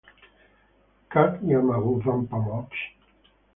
Как я могу вам почочь?